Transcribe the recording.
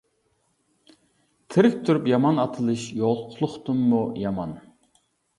تىرىك تۇرۇپ يامان ئاتىلىش يوقلۇقتىنمۇ يامان.